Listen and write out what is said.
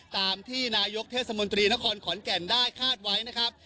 ตามที่นายกเทศมนตรีนครขอนแก่นได้คาดไว้นะครับ